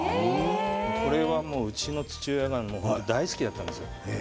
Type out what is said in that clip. これはうちの父親が大好きだったんですよ。